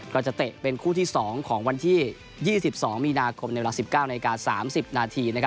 ก็จะเตะเป็นคู่ที่๒ของวันที่๒๒มีนาคม๑๙๓๐น